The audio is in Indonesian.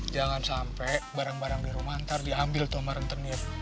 jangan sampai barang barang di rumah ntar diambil sama rentenir